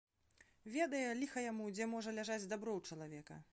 Ведае, ліха яму, дзе можа ляжаць дабро ў чалавека.